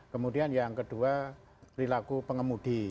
kemudian yang kedua perilaku pengemudi